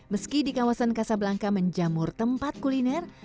meski di kawasan kasablangka menjamur tempat kuliner